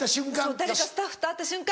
誰かスタッフと会った瞬間